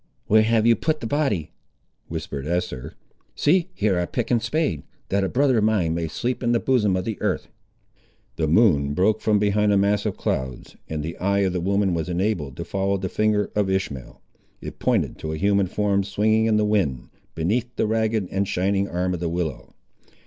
"Where have you put the body?" whispered Esther. "See, here are pick and spade, that a brother of mine may sleep in the bosom of the earth!" The moon broke from behind a mass of clouds, and the eye of the woman was enabled to follow the finger of Ishmael. It pointed to a human form swinging in the wind, beneath the ragged and shining arm of the willow.